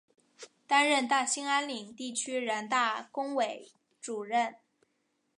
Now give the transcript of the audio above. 担任大兴安岭地区人大工委主任。